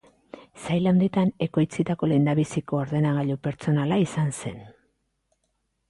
Sail handitan ekoitzitako lehenbiziko ordenagailu pertsonala izan zen.